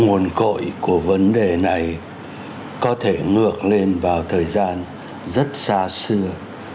nguồn cội của vấn đề này có thể ngược lên vào thời gian rất xa xưa